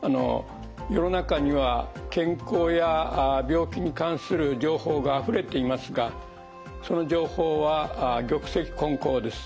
世の中には健康や病気に関する情報があふれていますがその情報は玉石混交です。